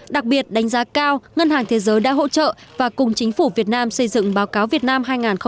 đặc biệt đánh giá cao ngân hàng thế giới đã hỗ trợ và cùng chính phủ việt nam xây dựng báo cáo việt nam hai nghìn hai mươi